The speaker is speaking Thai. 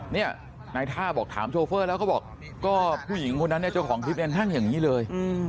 นี่นายท่าบอกถามโชเฟอร์แล้วก็บอกก็ผู้หญิงคนนั้นเจ้าของพิษนั่นนั่งอย่างนี้เลย